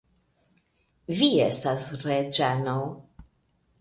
Vi estas reĝano.